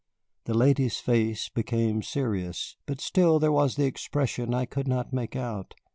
The lady's face became serious, but still there was the expression I could not make out.